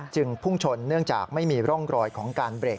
พุ่งชนเนื่องจากไม่มีร่องรอยของการเบรก